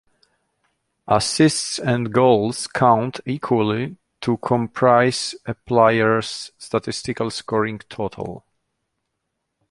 Assists and goals count equally to comprise a player's statistical scoring total.